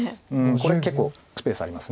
これ結構スペースあります。